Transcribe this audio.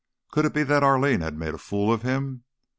Could it be that Arline had made a fool of him?